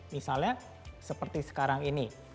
misalnya seperti sekarang ini